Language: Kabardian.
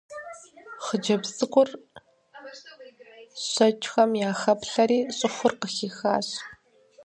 Хъыджэбз цӀыкӀур щэкӀхэм яхэплъэри щӀыхур къыхихащ.